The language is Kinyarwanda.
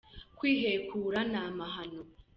Kwihekura ni amahano.